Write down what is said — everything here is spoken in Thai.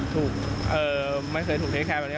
ถูกไม่เคยถูกเทคแคร์แบบนี้